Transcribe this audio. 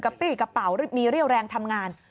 ปี้กระเป๋ามีเรี่ยวแรงทำงาน